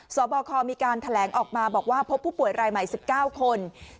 บคมีการแถลงออกมาบอกว่าพบผู้ป่วยรายใหม่๑๙คน